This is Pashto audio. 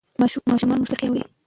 ماشومان موسیقي اوري.